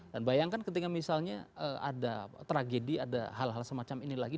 dan bayangkan ketika misalnya ada tragedi ada hal hal semacam ini lagi